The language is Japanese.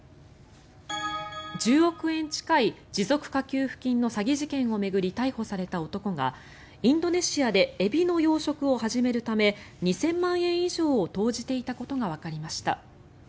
１０億円近い持続化給付金の詐欺事件を巡り逮捕された男が、インドネシアでエビの養殖を始めるため２０００万円以上を投じていたことがわかりました。